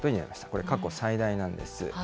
これ、過去最大なんです。